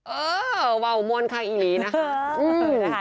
เออว่าอุโมนค่ะอีหรีนะฮะ